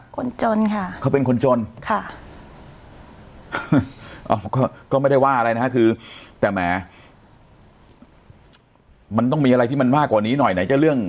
คนจนค่ะเขาเป็นคนจนค่ะอ๋อก็ก็ไม่ได้ว่าอะไรนะฮะคือแต่แหมมันต้องมีอะไรที่มันมากกว่านี้หน่อยไหนจะเรื่อง